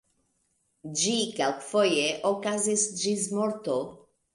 Ĝi kelkfoje okazis ĝis morto.